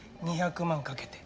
２００万かけて。